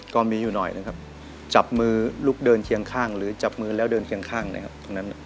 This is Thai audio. ก็มีอยู่หน่อยนะครับจับมือลุกเดินเคียงข้างหรือจับมือแล้วเดินเคียงข้างนะครับตรงนั้น